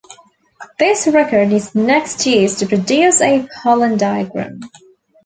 This record is next used to produce a pollen diagram.